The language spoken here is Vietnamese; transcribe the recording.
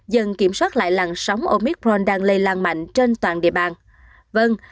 dần kiểm soát lại làng sóng omicron đang lây lan mạnh trên toàn địa bàn